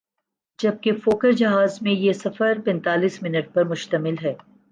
جبکہ فوکر جہاز میں یہ سفر پینتایس منٹ پر مشتمل ہے ۔